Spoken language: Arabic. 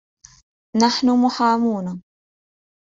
نَحنُ مُحامون